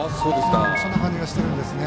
そんな感じがしてるんですね。